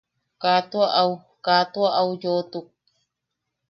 Kaa tua au kaa tua au yoʼotuk.